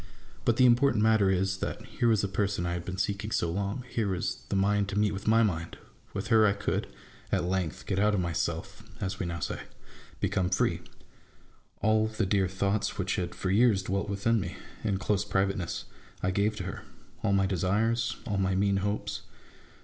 But the impor tant matter is, that here was the person I had been seeking so long; here was the mind to meet with my mind; with her I could, at length, get out of myself (as we now say); become free. All the dear thoughts which had for years dwelt with me in close privateness, I gave to her j all my desires, all my mean hopes.